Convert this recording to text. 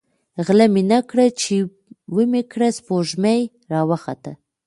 ـ غله مې نه کړه ،چې ومې کړه سپوږمۍ راوخته.